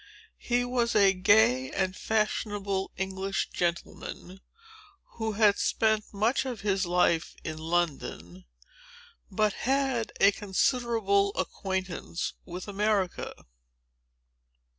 He was a gay and fashionable English gentleman, who had spent much of his life in London, but had a considerable acquaintance with America.